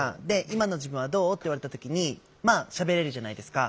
「今の自分はどう？」って言われた時にまあしゃべれるじゃないですか。